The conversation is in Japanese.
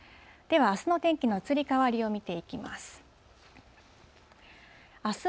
では、あすの天気の移り変わりを見ていきます。